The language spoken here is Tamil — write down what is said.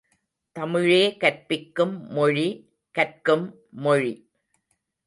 தமிழே கற்பிக்கும் மொழி கற்கும் மொழி!